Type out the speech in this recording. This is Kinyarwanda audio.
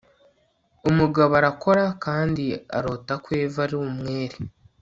Umugabo arakora kandi arota ko Eva ari umwere